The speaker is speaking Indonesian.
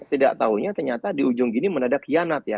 tidak tahunya ternyata di ujung gini menadak kianat ya